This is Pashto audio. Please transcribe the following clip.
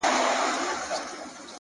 • چي وطن یې کړ خالي له غلیمانو,